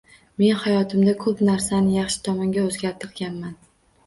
Men hayotimda ko’p narsani yaxshi tomonga o’zgartirganman